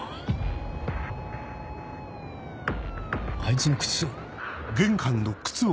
あいつの靴。